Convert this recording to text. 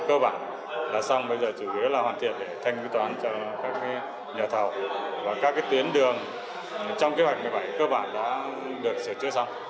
cơ bản là xong bây giờ chủ nghĩa là hoàn thiện để thanh quý toán cho các nhà thầu và các tuyến đường trong kế hoạch một mươi bảy cơ bản đã được sửa chữa xong